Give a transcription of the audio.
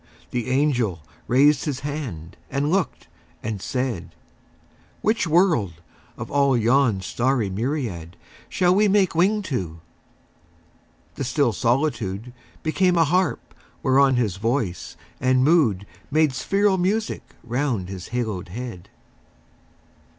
The angel raised his hand and looked and said, "Which world, of all yon starry myriad Shall we make wing to?" The still solitude Became a harp whereon his voice and mood Made spheral music round his haloed head.